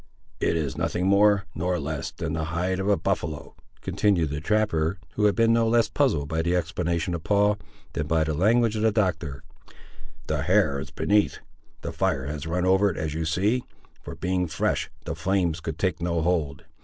"It is nothing more, nor less, than the hide of a buffaloe," continued the trapper, who had been no less puzzled by the explanation of Paul, than by the language of the Doctor; "the hair is beneath; the fire has run over it as you see; for being fresh, the flames could take no hold.